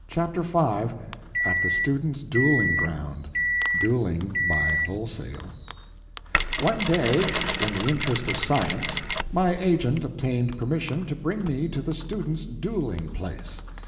CHAPTER V At the Students' Dueling Ground [Dueling by Wholesale] One day in the interest of science my agent obtained permission to bring me to the students' dueling place.